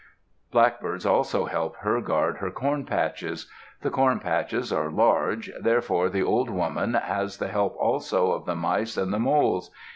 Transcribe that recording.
Blackbirds also help her guard her corn patches. The corn patches are large, therefore the Old Woman has the help also of the mice and the moles.